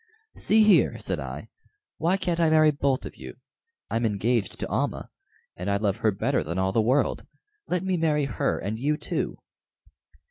"See here," said I, "why can't I marry both of you? I'm engaged to Almah, and I love her better than all the world. Let me marry her and you too."